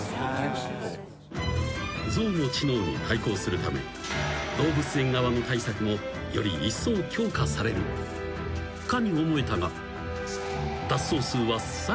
［象の知能に対抗するため動物園側の対策もよりいっそう強化されるかに思えたが］